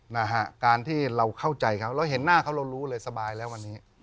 นะฮะการที่เราเข้าใจเขาเราเห็นหน้าเขาเรารู้เลยสบายแล้ววันนี้